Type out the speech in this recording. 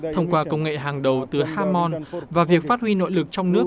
thông qua công nghệ hàng đầu từ hamon và việc phát huy nội lực trong nước